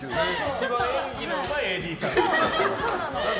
一番演技のうまいＡＤさん。